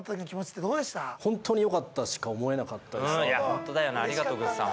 ホントだよなありがとうぐっさん